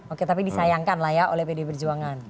oke tapi disayangkan lah ya oleh pdi perjuangan